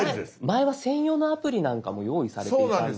前は専用のアプリなんかも用意されていたんです。